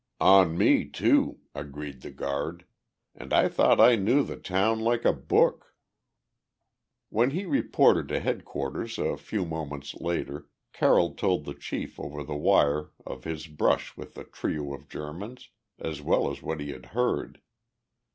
"On me, too," agreed the guard, "and I thought I knew the town like a book." When he reported to headquarters a few moments later, Carroll told the chief over the wire of his brush with the trio of Germans, as well as what he had heard.